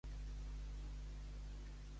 Conèixer d'un plet.